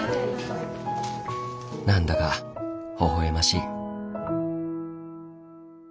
何だかほほ笑ましい。